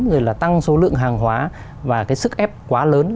rồi là tăng số lượng hàng hóa và cái sức ép quá lớn